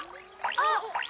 あっ！